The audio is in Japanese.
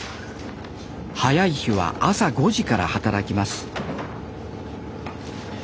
早い日は朝５時から働きます